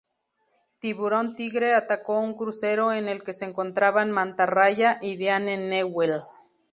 Tiburón Tigre atacó un crucero en el que se encontraban Mantarraya y Diane Newell.